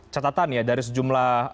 catatan ya dari sejumlah